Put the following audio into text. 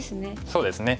そうですね。